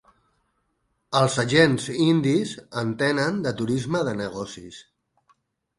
Els agents indis entenen de turisme de negocis